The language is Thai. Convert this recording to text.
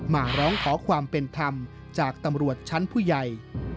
มาร้องขอความเป็นธรรมจากตำรวจชั้นผู้ใหญ่